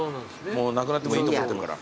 なくなってもいいと思ってるから。